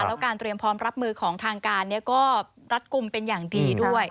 แล้วการเตรียมพร้อมรับมือของทางการก็รัดกลุ่มเป็นอย่างดีด้วย